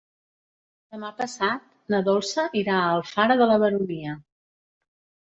Demà passat na Dolça irà a Alfara de la Baronia.